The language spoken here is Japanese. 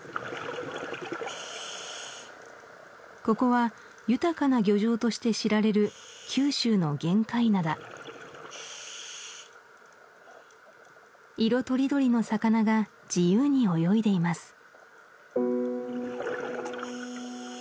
ここは豊かな漁場として知られる九州の玄界灘色とりどりの魚が自由に泳いでいます